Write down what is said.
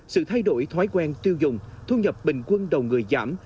sự thay đổi thói quen tiêu dùng thu nhập bình quân đầu người giảm